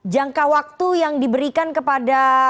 jangka waktu yang diberikan kepada